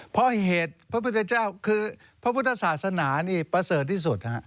เพราะเหตุพระพุทธเจ้าคือพระพุทธศาสนานี่ประเสริฐที่สุด